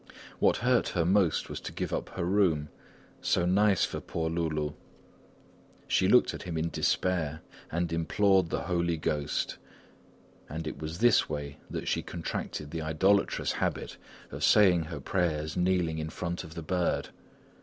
What hurt her most was to give up her room, so nice for poor Loulou! She looked at him in despair and implored the Holy Ghost, and it was this way that she contracted the idolatrous habit of saying her prayers kneeling in front of the bird.